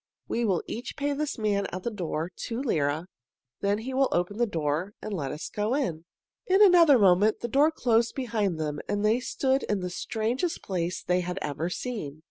We will each pay this man at the door two lire, then he will open the door and let us go in." In another moment the door closed behind them, and they stood in the strangest place they had ever seen.